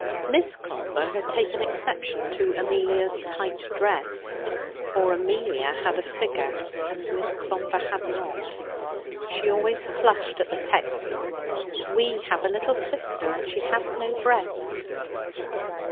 Miss Clomber had taken exception to Amelia's tight dress. For Amelia had a figure, and Miss Clomber had not. She always flushed at the text, 'We have a little sister, and she hath no breasts.'